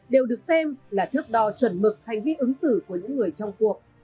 đều được xem là thước đo chuẩn mực hành vi ứng xử của những người trong cuộc